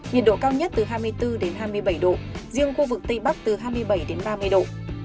nhiệt độ cao nhất từ hai mươi bốn hai mươi bảy độ riêng khu vực tây bắc từ hai mươi bảy đến ba mươi độ